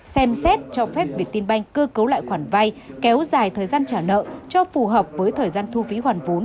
xem xét cho phép việt tiên banh cơ cấu lại khoản vay kéo dài thời gian trả nợ cho phù hợp với thời gian thu phí hoàn vốn